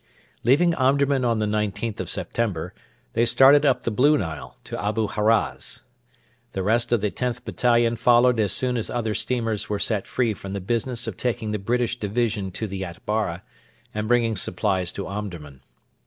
Leaving Omdurman on the 19th of September, they started up the Blue Nile to Abu Haraz. The rest of the Xth Battalion followed as soon as other steamers were set free from the business of taking the British division to the Atbara and bringing supplies to Omdurman.